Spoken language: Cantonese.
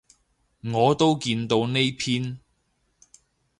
我都見到呢篇